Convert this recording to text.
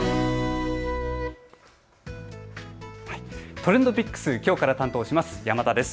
ＴｒｅｎｄＰｉｃｋｓ、きょうから担当します山田です。